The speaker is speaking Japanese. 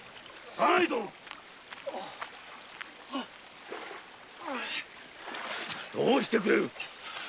左内殿！どうしてくれる？